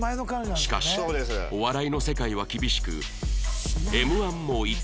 しかしお笑いの世界は厳しく